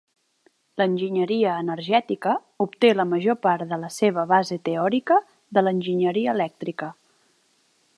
L'enginyeria energètica obté la major part de la seva base teòrica de l'enginyeria elèctrica.